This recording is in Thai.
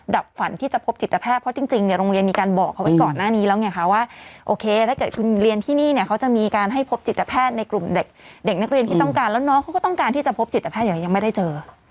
ฝันที่จะพบจิตแพทย์เพราะจริงเนี่ยโรงเรียนมีการบอกเขาไว้ก่อนหน้านี้แล้วไงคะว่าโอเคถ้าเกิดคุณเรียนที่นี่เนี่ยเขาจะมีการให้พบจิตแพทย์ในกลุ่มเด็กนักเรียนที่ต้องการแล้วน้องเขาก็ต้องการที่จะพบจิตแพทย์ยังไม่ได้เจอ